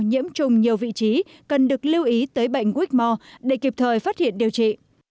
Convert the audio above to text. nhiễm trùng nhiều vị trí cần được lưu ý tới bệnh whitmore để kịp thời phát hiện điều trị